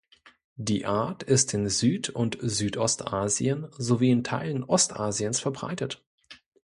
Die Art ist in Süd- und Südostasien sowie in Teilen Ostasiens verbreitet.